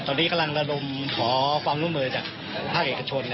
ตอนนี้กำลังระดมขอความร่วมมือจากภาคเอกชน